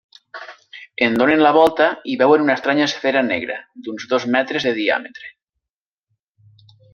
En donen la volta i veuen una estranya esfera negra, d'uns dos metres de diàmetre.